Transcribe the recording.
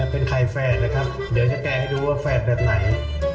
เป็นใครแฝดนะครับเดี๋ยวจะแกให้ดูว่าแฝดแบบไหน